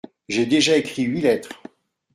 J’ai déjà écrit huit lettres !